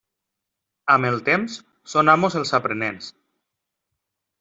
Amb el temps, són amos els aprenents.